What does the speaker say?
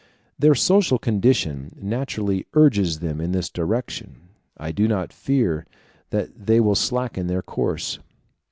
Their social condition naturally urges them in this direction; I do not fear that they will slacken their course.